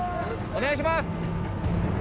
お願いします。